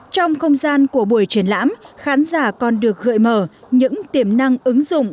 trong không gian của buổi triển lãm khán giả còn được gợi mở những tiềm năng ứng dụng